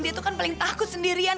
dia tuh kan paling takut sendirian